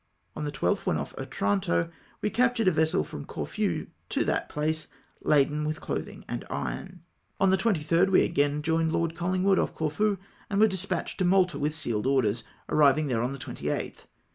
On the 12th, when ofi" Otranto, we captured a vessel from Corfu to that place, laden with clothino; and iron. On the 23rd we agam joined Lord CoUingwood off Corfu, and were dispatched to Malta with sealed orders, arriving there on the 28th.